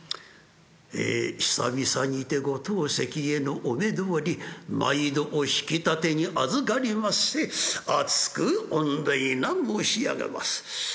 「え久々にてご当席へのお目通り毎度お引き立てにあずかりまして厚く御礼な申し上げます。